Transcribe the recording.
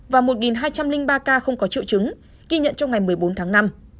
và một hai trăm linh ba ca không có triệu chứng ghi nhận trong ngày một mươi bốn tháng năm